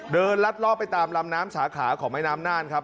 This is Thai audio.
ลัดลอบไปตามลำน้ำสาขาของแม่น้ำน่านครับ